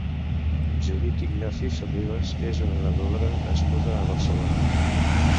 Judit Ignacio i Sorribes és una nedadora nascuda a Barcelona.